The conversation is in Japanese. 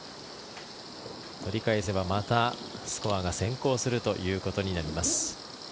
取り返せば、またスコアが先行するということになります。